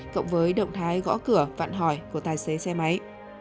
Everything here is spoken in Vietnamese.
cộng với động thái gõ cửa vạn hỏi của tài xế xe máy